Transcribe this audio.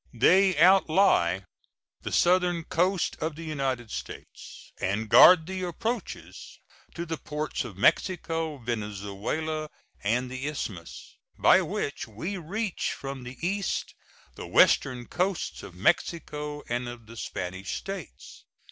They outlie the southern coast of the United States and guard the approaches to the ports of Mexico, Venezuela, and the Isthmus, by which we reach from the east the western coasts of Mexico and of the Spanish States.